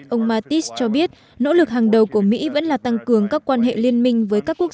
ông mattis cho biết nỗ lực hàng đầu của mỹ vẫn là tăng cường các quan hệ liên minh với các quốc